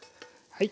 はい。